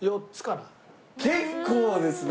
結構ですね！